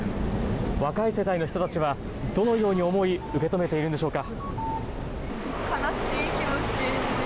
若い人たちの世代はどのように思い、受け止めているのでしょうか。